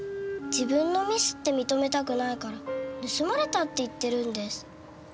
自分のミスって認めたくないから盗まれたって言ってるんです。